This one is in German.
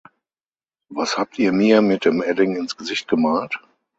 Was habt ihr mir mit dem Edding ins Gesicht gemalt?